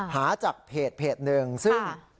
หาจากเพจเพจนึงซึ่ง